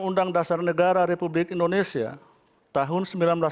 undang undang dasar negara republik indonesia tahun seribu sembilan ratus empat puluh lima